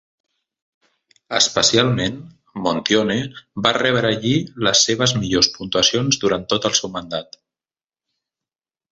Especialment, Montione va rebre allí les seves millors puntuacions durant tot el seu mandat.